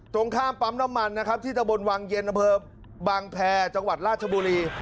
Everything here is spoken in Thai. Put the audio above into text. ตรงข้ามปั๊มน้ำมันนะครับที่ตะบนวังเย็นอำเภอบางแพรจังหวัดราชบุรี